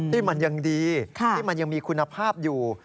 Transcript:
ที่มันยังดีที่มันยังมีคุณภาพอยู่